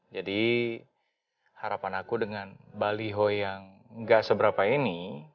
jadi harapan aku dengan baliho yang gak seberapa ini